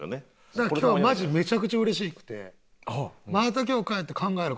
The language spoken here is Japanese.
だから今日マジめちゃくちゃ嬉しくて。